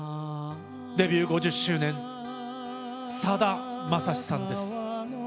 デビュー５０周年さだまさしさんです。